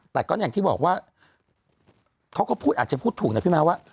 แต่ก็อย่างที่บอกว่าเขาก็พูดอาจจะพูดถูกนะพี่ม้าว่า